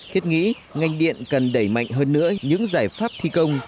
thiết nghĩ ngành điện cần đẩy mạnh hơn nữa những giải pháp thi công